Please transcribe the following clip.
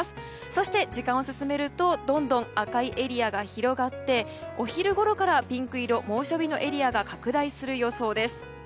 そして、時間を進めるとどんどん赤いエリアが広がってお昼ごろからピンク色の猛暑日のエリアが拡大する予想です。